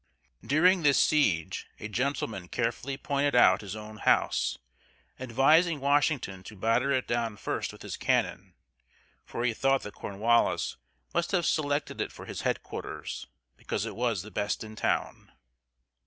During this siege a gentleman carefully pointed out his own house, advising Washington to batter it down first with his cannon; for he thought that Cornwallis must have selected it for his headquarters, because it was the best in town.